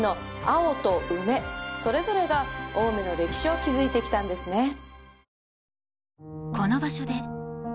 それぞれが青梅の歴史を築いてきたんですね